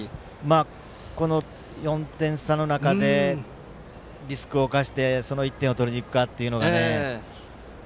この４点差の中でリスクを冒してその１点を取りに行くかというのが。